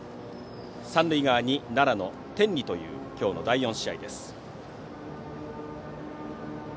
三塁側に、奈良の天理という今日の第４試合。